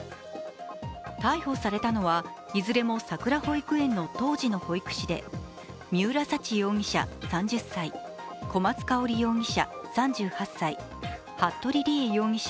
逮捕されたのはいずれもさくら保育園の当時の保育士で三浦沙知容疑者３０歳、小松香織容疑者３８歳、服部理江容疑者